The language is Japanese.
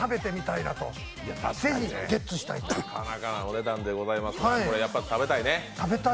なかなかのお値段でございますが、これ、やっぱり食べたいね。